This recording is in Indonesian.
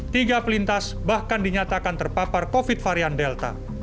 tiga pelintas bahkan dinyatakan terpapar covid varian delta